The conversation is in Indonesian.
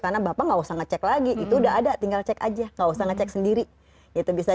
karena bapak nggak usah ngecek lagi itu udah ada tinggal cek aja nggak usah ngecek sendiri itu bisa